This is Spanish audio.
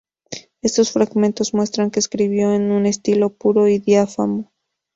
Estos fragmentos muestran que escribió en un estilo puro y diáfano.